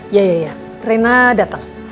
ya ya ya rena datang